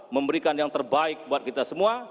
memberikan yang terbaik buat kita semua